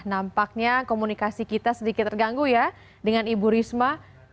nampaknya komunikasi kita sedikit terganggu ya dengan ibu risma